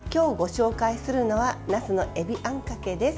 今日ご紹介するのはなすのえびあんかけです。